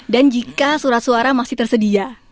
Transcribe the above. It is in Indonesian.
dan jika surat suara masih tersedia